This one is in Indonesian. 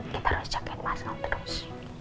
kita harus jagain masker terus